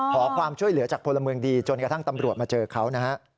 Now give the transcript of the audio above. ขอความช่วยเหลือจากพลเมืองดีจนกระทั่งตำรวจมาเจอเขานะฮะ